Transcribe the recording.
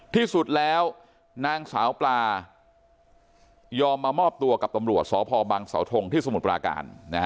ที่สุดแล้วนางสาวปลายอมมามอบตัวกับตำรวจสพบังเสาทงที่สมุทรปราการ